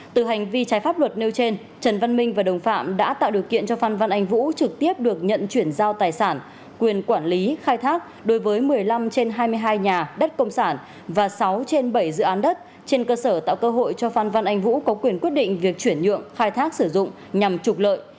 từ hành vi trái pháp luật nêu trên trần văn minh và đồng phạm đã tạo điều kiện cho phan văn anh vũ trực tiếp được nhận chuyển giao tài sản quyền quản lý khai thác đối với một mươi năm trên hai mươi hai nhà đất công sản và sáu trên bảy dự án đất trên cơ sở tạo cơ hội cho phan văn anh vũ có quyền quyết định việc chuyển nhượng khai thác sử dụng nhằm trục lợi